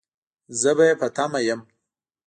زه به يې په تمه يم